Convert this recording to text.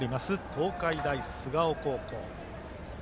東海大菅生高校。